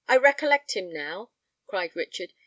—I recollect him now!" cried Richard.